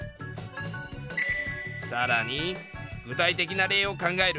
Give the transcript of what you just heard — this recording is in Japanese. さらに具体的な例を考える。